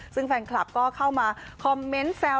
ซึ่งแฟนคลับก็เข้ามาคอมเมนต์แซว